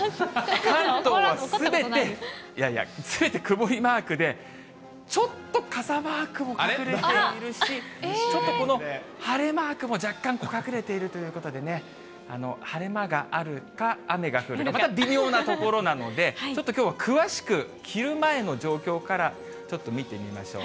関東はすべて、すべて曇りマークでちょっと傘マークも隠れているし、ちょっとこの晴れマークも若干隠れているということでね、晴れ間があるか、雨が降るか、微妙なところなので、ちょっときょうは詳しく、昼前の状況からちょっと見てみましょう。